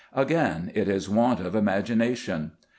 Again, it is want of imagination.